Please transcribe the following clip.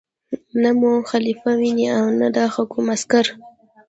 نه مو خلیفه ویني او نه د هغه کوم عسکر.